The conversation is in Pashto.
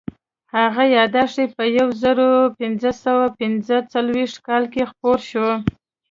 هغه یادښت یې په یو زرو پینځه سوه پینځه څلوېښت کال کې خپور شو.